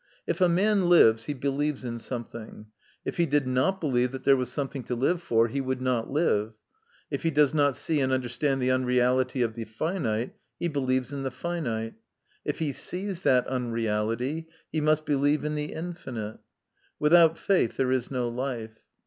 If a man lives, he believes in something. If he did not believe that there was something to live for, he would not live. If he does not see and understand the unreality of the finite, he believes in the finite ; if he sees that unreality, he must believe in the infinite. Without faith there is no life.